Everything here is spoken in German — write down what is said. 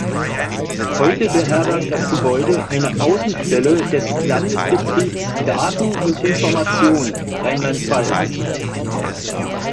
Heute beherbergt das Gebäude eine Außenstelle des "Landesbetriebs Daten und Information Rheinland-Pfalz".